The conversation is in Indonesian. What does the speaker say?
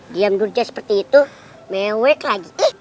diam durja seperti itu mewek lagi ih